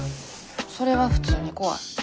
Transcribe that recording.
それは普通に怖い。